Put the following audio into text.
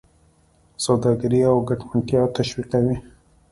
سوداګري او ګټمنتیا تشویقوي.